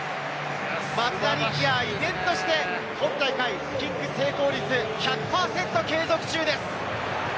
松田力也、依然として今大会キック成功率１００％継続中です。